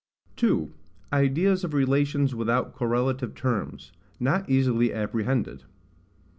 2. Ideas of relations without correlative Terms, not easily apprehended.